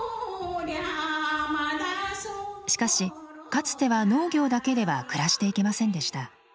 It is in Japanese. しかしかつては農業だけでは暮らしていけませんでした。